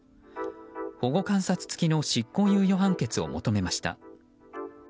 保護観察付きの執行猶予判決を求めました。